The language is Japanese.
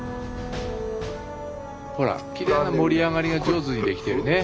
ほらきれいな盛り上がりが上手にできてるね。